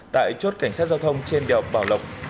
tại chốt cảnh sát giao thông trên đèo bảo lộc